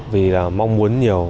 vì là mong muốn nhiều